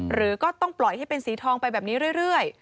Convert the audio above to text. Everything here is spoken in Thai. หรือก็ต้องปล่อยให้เป็นสีทองไปแบบนี้เรื่อย